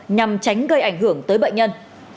nhằm tránh gây ảnh hưởng tới bệnh nhân